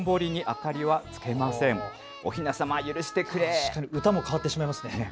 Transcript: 確かに歌も変わってしまいますね。